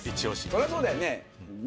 そりゃそうだよね。